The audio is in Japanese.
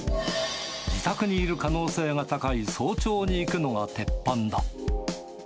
自宅にいる可能性が高い早朝に行くのが鉄板だ。